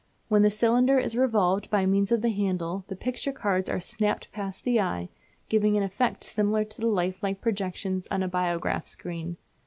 When the cylinder is revolved by means of the handle the picture cards are snapped past the eye, giving an effect similar to the lifelike projections on a biograph screen.